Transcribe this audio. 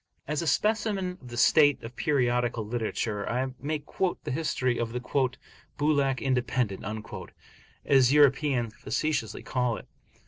As a specimen of the state of periodical literature, I may quote the history of the "Bulak Independent," as Europeans facetiously call it.